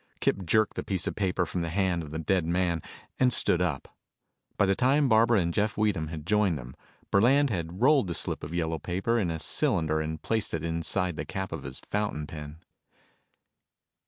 Kip jerked the piece of paper from the hand of the dead man, and stood up. By the time Barbara and Jeff Weedham had joined them, Burland had rolled the slip of yellow paper into a cylinder and placed it inside the cap of his fountain pen.